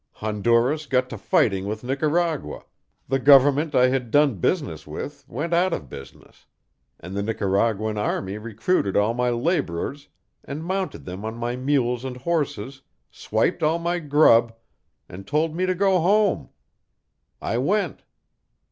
Honduras got to fighting with Nicaragua; the government I had done business with went out of business; and the Nicaraguan army recruited all my labourers and mounted them on my mules and horses, swiped all my grub, and told me to go home. I went.